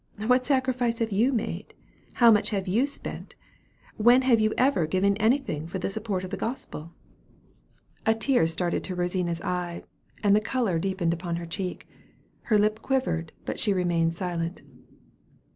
What sacrifice have you made? How much have you spent? When have you ever given anything for the support of the gospel?" A tear started to Rosina's eye, and the color deepened upon her cheek. Her lip quivered, but she remained silent.